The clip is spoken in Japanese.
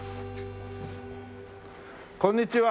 こんにちは。